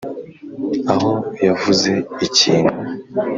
aho yavuze ikintu